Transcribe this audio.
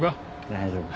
大丈夫。